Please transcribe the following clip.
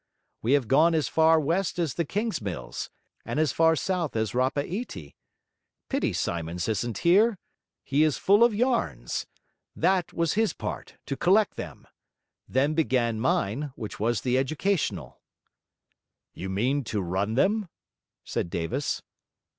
We have gone as far west as the Kingsmills and as far south as Rapa iti. Pity Symonds isn't here! He is full of yarns. That was his part, to collect them. Then began mine, which was the educational.' 'You mean to run them?' said Davis.